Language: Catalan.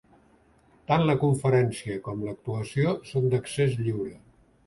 Tant la conferència com l’actuació són d’accés lliure.